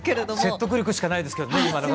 説得力しかないですけれどね。